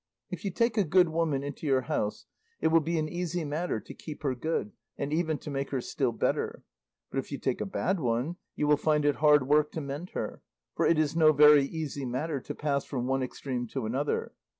If you take a good woman into your house it will be an easy matter to keep her good, and even to make her still better; but if you take a bad one you will find it hard work to mend her, for it is no very easy matter to pass from one extreme to another.